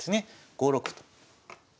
５六歩と。